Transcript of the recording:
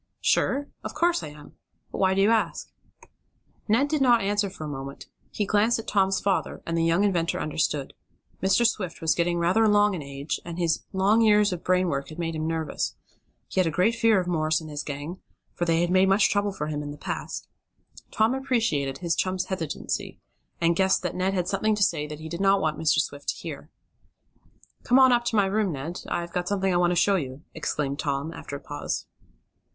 "Sure? Of course I am. But why do you ask?" Ned did not answer for a moment. He glanced at Tom's father, and the young inventor understood. Mr. Swift was getting rather along in age, and his long years of brain work had made him nervous. He had a great fear of Morse and his gang, for they had made much trouble for him in the past. Tom appreciated his chum's hesitancy, and guessed that Ned had something to say that he did not want Mr. Swift to hear. "Come on up to my room, Ned. I've got something I want to show you," exclaimed Tom, after a pause.